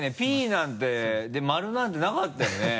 「Ｐ」なんてで丸なんてなかったよね？